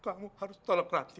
kamu harus tolong ranti